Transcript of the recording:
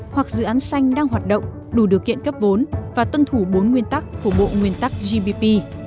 hoặc dự án xanh đang hoạt động đủ điều kiện cấp vốn và tuân thủ bốn nguyên tắc của bộ nguyên tắc gpp